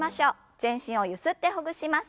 全身をゆすってほぐします。